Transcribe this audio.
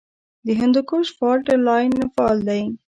د هندوکش فالټ لاین فعال دی